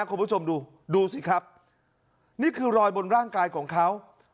คุณผู้ชมดูดูสิครับนี่คือรอยบนร่างกายของเขา